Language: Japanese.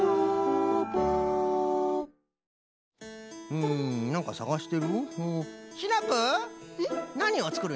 うんなんかさがしてる？